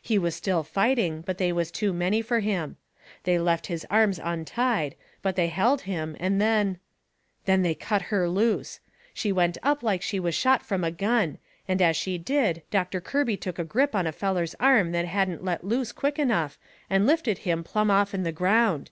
He was still fighting, but they was too many fur him. They left his arms untied, but they held 'em, and then Then they cut her loose. She went up like she was shot from a gun, and as she did Doctor Kirby took a grip on a feller's arm that hadn't let loose quick enough and lifted him plumb off'n the ground.